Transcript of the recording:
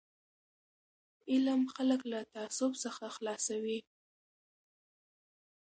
علم خلک له تعصب څخه خلاصوي.